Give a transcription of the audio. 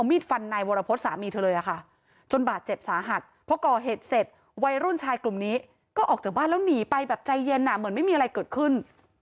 ไม่ได้รู้อะไรเลยค่ะนั่งอยู่ในห้องทะเลากันอยู่ในบ้าน